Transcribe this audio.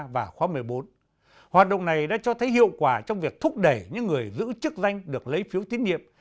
và khóa một mươi bốn hoạt động này đã cho thấy hiệu quả trong việc thúc đẩy những người giữ chức danh được lấy phiếu tín nhiệm